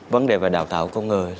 vấn đề về đào tạo con người